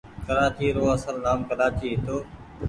ڪرآچي رو اسل نآم ڪلآچي هيتو۔